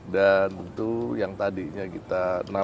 dan itu yang tadinya kita